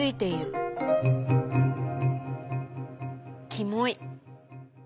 キモい。